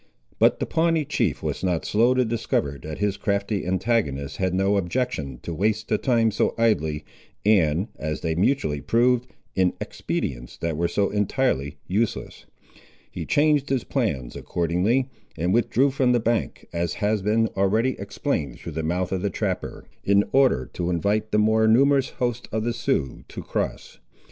But the Pawnee chief was not slow to discover that his crafty antagonist had no objection to waste the time so idly, and, as they mutually proved, in expedients that were so entirely useless. He changed his plans, accordingly, and withdrew from the bank, as has been already explained through the mouth of the trapper, in order to invite the more numerous host of the Siouxes to cross.